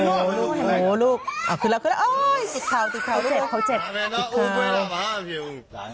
โอ้โฮลูกขึ้นแล้วติดข่าวติดข่าว